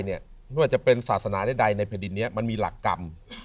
เพราะว่าจะเป็นศาสนาใดใดในผลิตนี้มันมีหลักกรรม